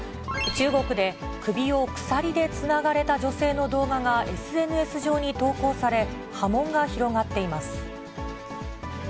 中国で、首を鎖でつながれた女性の動画がＳＮＳ上に投稿され、波紋が広がっています。